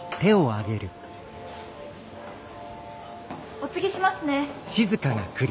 おつぎしますね。